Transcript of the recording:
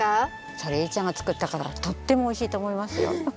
ソレイユちゃんが作ったからとってもおいしいとおもいますよ。